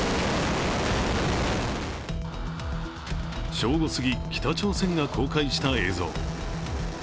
正午すぎ、北朝鮮が公開した映像。